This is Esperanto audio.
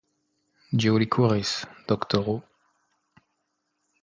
Dio li kuris, doktoro.